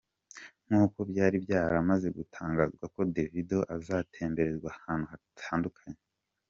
Nkuko byari byaramaze gutangazwa ko Davido azatemberezwa ahantu hatandukanye .